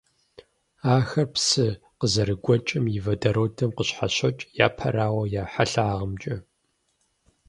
Ахэр псы къызэрыгуэкӀым и водородым къыщхьэщокӀ, япэрауэ, я хьэлъагъымкӀэ.